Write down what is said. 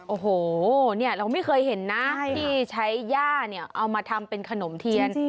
โอ้โหเราไม่เคยเห็นนะที่ใช้หญ้าเอามาทำเป็นขนมเทียน